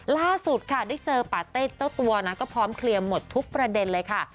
ล่าสุดค่ะได้เจอปาเต็ดเจ้าตัวนะก็พร้อมเคลียร์หมดทุกประเด็นเลยค่ะ